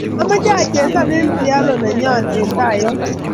Amache achesan eng triathlon nenyon eng tai yo